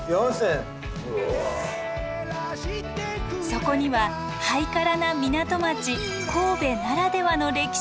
そこにはハイカラな港町神戸ならではの歴史が秘められていました。